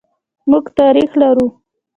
موږ تاریخ لرو.